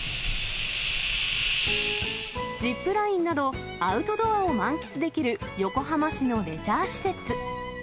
ジップラインなど、アウトドアを満喫できる横浜市のレジャー施設。